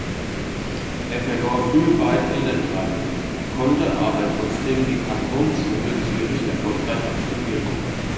Er verlor früh beide Elternteile, konnte aber trotzdem die Kantonsschule Zürich erfolgreich absolvieren.